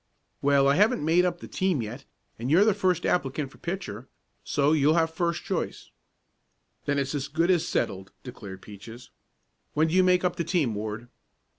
"Well, I haven't made up the team yet, and you're the first applicant for pitcher, so you'll have first choice." "Then it's as good as settled!" declared Peaches. "When do you make up the team, Ward?"